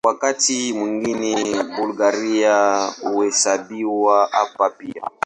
Wakati mwingine Bulgaria huhesabiwa hapa pia.